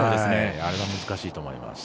あれ、難しいと思います。